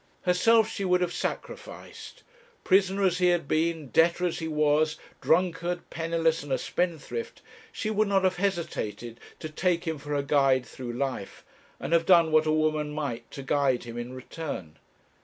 Herself she would have sacrificed: prisoner as he had been, debtor as he was, drunkard, penniless, and a spendthrift, she would not have hesitated to take him for her guide through life, and have done what a woman might to guide him in return.